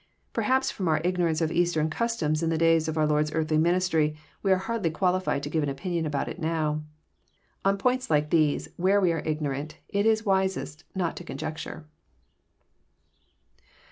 Perhaps, from our ignorance of Eastern customs in the days of onr Lord*s earthly ministry, we are hardly qualified to give an opinion about it now. On points like these, where we are Ignorant, it is wisest not to conjecture.